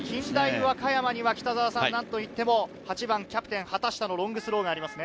和歌山にはなんといっても８番キャプテン・畑下のロングスローがありますね。